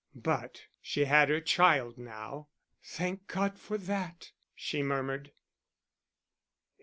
But she had her child now. "Thank God for that!" she murmured.